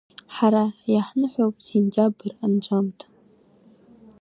Ҳара иаҳныҳәоуп сентиабр анҵәамҭа…